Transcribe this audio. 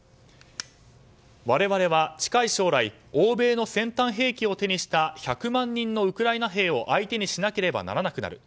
我々は近い将来欧米の先端兵器を手にした１００万人のウクライナ兵を相手にしなければならなくなる。